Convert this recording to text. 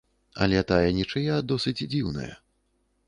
Але тая нічыя досыць дзіўная.